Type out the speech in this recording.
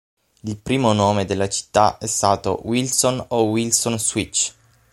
Il primo nome della città è stato Wilson o Wilson Switch.